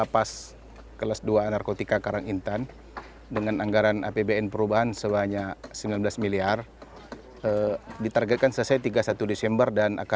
pembangunan lapas kelas dua a narkotika